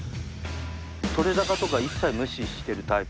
撮れ高とか一切無視してるタイプなんで。